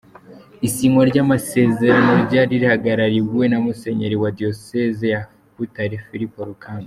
Isinywa ry’amasezerano ryari rihagarariwe na Musenyeri wa Diyoseze ya Butare Filipo Rukamba.